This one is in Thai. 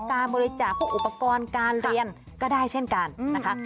การบริจาคพวกอุปกรณ์การเรียนก็ได้เช่นกันนะคะ